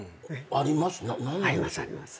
ありますあります。